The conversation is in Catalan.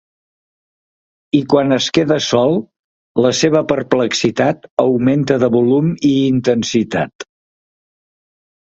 I quan es queda sol, la seva perplexitat augmenta de volum i intensitat.